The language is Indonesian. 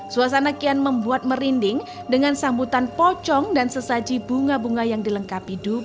suasana kian membuat merinding dengan sambutan pocong dan sesaji bunga bunga yang dilengkapi duka